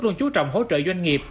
luôn chú trọng hỗ trợ doanh nghiệp